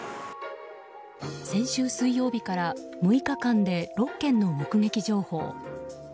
先週水曜日から６日間で６件の目撃情報。